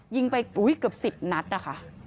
ยิงไปอุ้ยเกือบ๑๐นัดอ่ะค่ะ